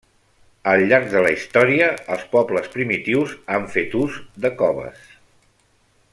Al llarg de la història, els pobles primitius han fet ús de coves.